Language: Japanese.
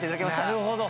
なるほど。